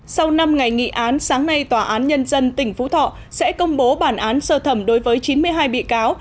sau năm ngày nghị án sáng nay tòa án nhân dân tỉnh phú thọ sẽ công bố bản án sơ thẩm đối với chín mươi hai bị cáo